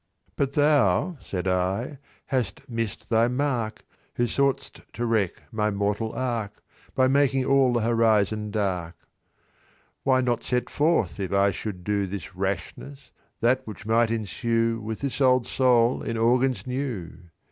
"But thou," said I, "hast miss'd thy mark, Who sought'st to wreck my mortal ark, By making all the horizon dark. "Why not set forth, if I should do This rashness, that which might ensue With this old soul in organs new?